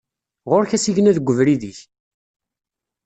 Ɣur-k asigna deg ubrid-ik!